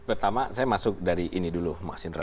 pertama saya masuk dari ini dulu mas indra